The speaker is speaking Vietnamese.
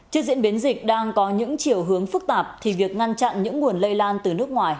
trước diễn biến dịch đang có những chiều hướng phức tạp thì việc ngăn chặn những nguồn lây lan từ nước ngoài